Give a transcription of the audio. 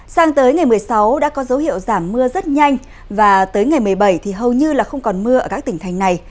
sang tới ngày một mươi sáu đã có dấu hiệu giảm mưa rất nhanh và tới ngày một mươi bảy thì hầu như là không còn mưa ở các tỉnh thành này